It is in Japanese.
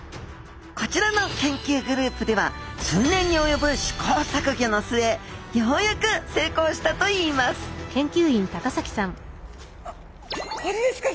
こちらの研究グループでは数年におよぶしこうさくギョの末ようやく成功したといいますこれですか？